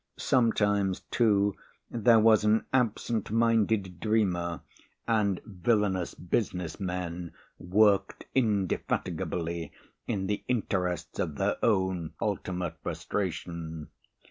Sometimes, too, there was an absent minded dreamer, and villainous business men worked indefatigably in the interests of their own ultimate frustration.